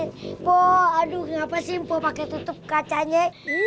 empok aduh kenapa sih empok pakai tutup kacanya